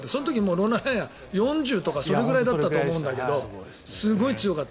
ノーラン・ライアン４０ぐらいだったと思うんだけどすごい強かった。